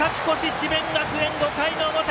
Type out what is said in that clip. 智弁学園、５回の表！